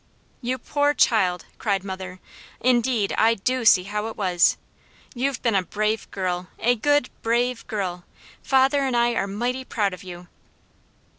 "You poor child!" cried mother. "Indeed I DO see how it was. You've been a brave girl. A good, brave girl! Father and I are mighty proud of you!"